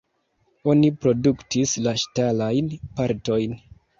Oni produktis la ŝtalajn partojn.